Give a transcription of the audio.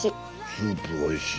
スープおいしい。